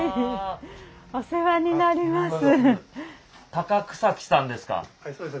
お世話になります。